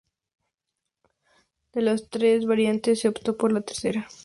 De las tres variantes se optó por la tercera.